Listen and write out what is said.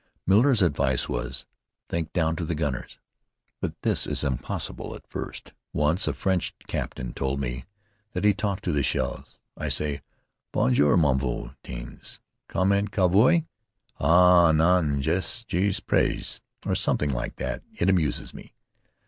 Miller's advice was, "Think down to the gunners"; but this is impossible at first. Once a French captain told me that he talked to the shells. "I say, 'Bonjour, mon vieux! Tiens! Comment ça va, toi! Ah, non! je suis pressé!' or something like that. It amuses one."